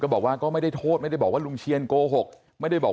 บอกว่าก็ไม่ได้โทษไม่ได้บอกว่าลุงเชียนโกหกไม่ได้บอก